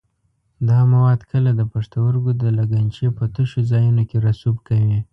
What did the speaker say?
دا مواد کله د پښتورګو د لګنچې په تشو ځایونو کې رسوب کوي.